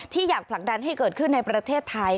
อยากผลักดันให้เกิดขึ้นในประเทศไทย